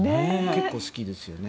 結構好きですよね。